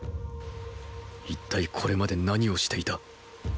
一体これまで何をしていた？